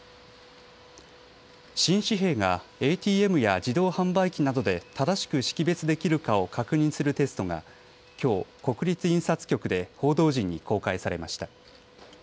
新紙幣がＡＴＭや自動販売機などで正しく識別できるかを確認するテストがきょう国立印刷局で報道陣に公開されました。